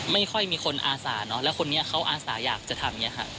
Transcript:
ไม่ค่อยมีคนอาสาเนอะแล้วคนนี้เขาอาสาอยากจะทำอย่างนี้ค่ะ